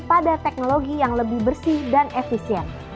pada teknologi yang lebih bersih dan efisien